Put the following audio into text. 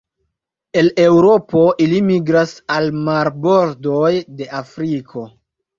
El Eŭropo ili migras al marbordoj de Afriko.